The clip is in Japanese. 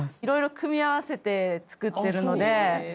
色々組み合わせて作ってるので。